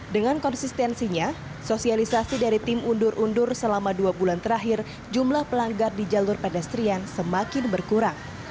dengan konsistensinya sosialisasi dari tim undur undur selama dua bulan terakhir jumlah pelanggar di jalur pedestrian semakin berkurang